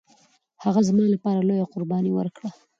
هغه زما لپاره لويه قرباني ورکړه